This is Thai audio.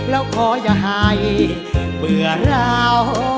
แล้วขออย่าให้เหมือนเรา